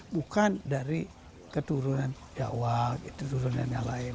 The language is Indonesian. bukan dari keturunan jawa keturunan yang lain